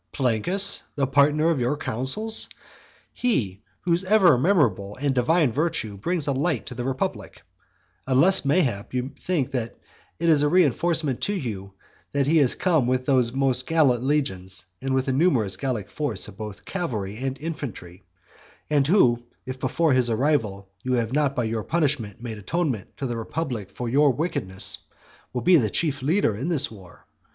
Plancus, the partner of your counsels? He, whose ever memorable and divine virtue brings a light to the republic: (unless, mayhap, you think that it is as a reinforcement to you that he has come with those most gallant legions, and with a numerous Gallic force of both cavalry and infantry); and who, if before his arrival you have not by your punishment made atonement to the republic for your wickedness, will be chief leader in this war.